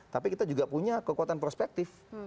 tapi kita juga punya kekuatan prospektif